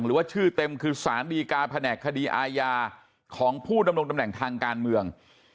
หรือว่าชื่อเต็มคือสารดีการแผนกคดีอาญาของผู้ดำรงตำแหน่งทางการเมือง